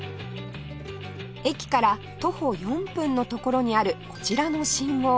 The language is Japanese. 駅から徒歩４分のところにあるこちらの信号